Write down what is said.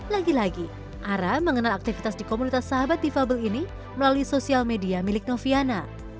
lagi lagi ara mengenal aktivitas di komunitas sahabat difabel ini melalui sosial media milik noviana